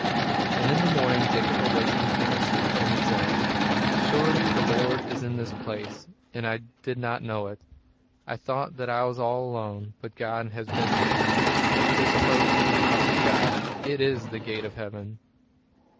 And in the morning Jacob awakened from his sleep, and he said: "Surely, the Lord is in this place, and I did not know it! I thought that I was all alone, but God has been with me. This place is the house of God; it is the gate of heaven!"